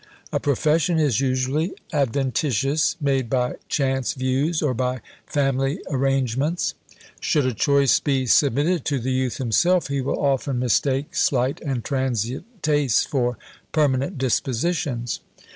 A profession is usually adventitious, made by chance views, or by family arrangements. Should a choice be submitted to the youth himself, he will often mistake slight and transient tastes for permanent dispositions.